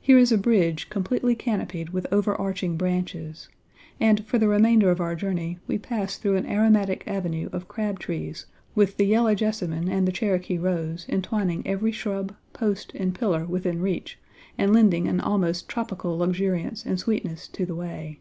Here is a bridge completely canopied with overarching branches; and, for the remainder of our journey, we pass through an aromatic avenue of crab trees with the Yellow Jessamine and the Cherokee rose, entwining every shrub, post, and pillar within reach and lending an almost tropical luxuriance and sweetness to the way.